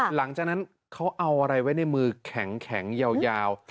หลังจากนั้นเขาเอาอะไรไว้ในมือแข็งยาว